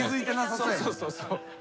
そうそうそうそう。